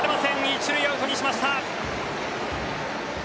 一塁アウトにしました。